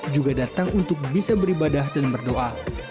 juga datang untuk bisa beribadah dan berdoa